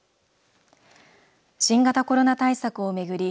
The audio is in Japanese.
新型コロナ対策を巡り